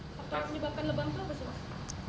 atau penyebabkan lebam tuh apa sih